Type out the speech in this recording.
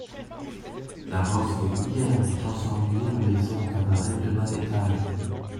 D’abord, c’était vulgaire : vous transformiez ma maison en cabaret de bas étage.